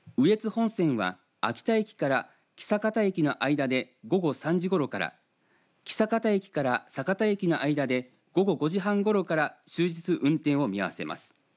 本線は秋田駅から象潟駅の間で午後３時ごろから象潟駅から酒田駅の間で午後５時半ごろから終日運転を見合わせます。